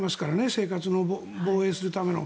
生活を防衛するための。